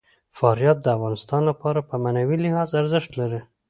فاریاب د افغانانو لپاره په معنوي لحاظ ارزښت لري.